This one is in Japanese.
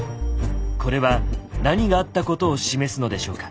これは何があったことを示すのでしょうか。